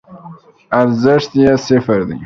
ارزښت یی صفر دی